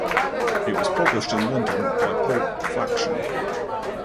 It was published in London by Pulp Faction.